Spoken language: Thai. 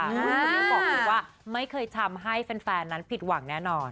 คนนี้บอกเลยว่าไม่เคยทำให้แฟนนั้นผิดหวังแน่นอน